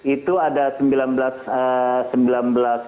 itu ada sembilan